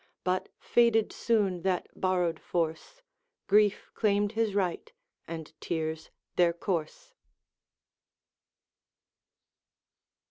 But faded soon that borrowed force; Grief claimed his right, and tears their course.